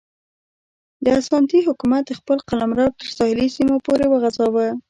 د اسانتي حکومت خپل قلمرو تر ساحلي سیمو پورې وغځاوه.